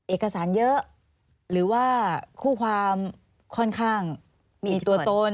เอกสารเยอะหรือว่าคู่ความค่อนข้างมีตัวตน